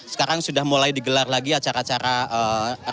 sekarang sudah mulai digelar lagi acara acara